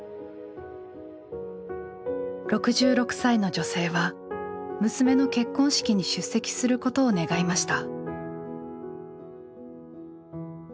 ６６歳の女性は娘の結婚式に出席することを願いました。